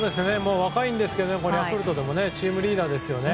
若いんですけどヤクルトでもチームリーダーですよね。